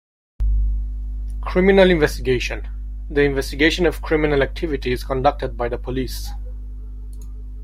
Criminal investigation: the investigation of criminal activity is conducted by the police.